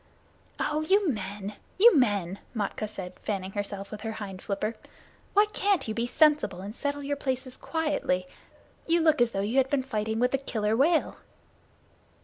"Oh, you men, you men!" Matkah said, fanning herself with her hind flipper. "Why can't you be sensible and settle your places quietly? You look as though you had been fighting with the Killer Whale."